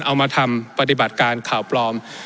เอามาทำปฏิบัติการข่าวปลอม